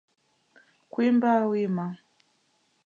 Kwimba wima